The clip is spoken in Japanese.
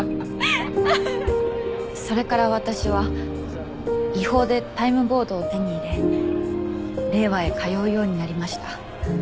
それから私は違法でタイムボードを手に入れ令和へ通うようになりました。